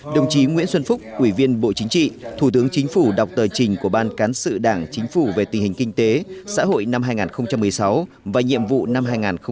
đồng chí nguyễn xuân phúc ủy viên bộ chính trị thủ tướng chính phủ đọc tờ trình của ban cán sự đảng chính phủ về tình hình kinh tế xã hội năm hai nghìn một mươi sáu và nhiệm vụ năm hai nghìn một mươi chín